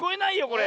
これ。